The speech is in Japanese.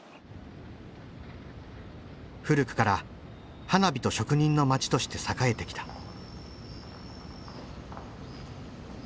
古くから花火と職人の町として栄えてきた。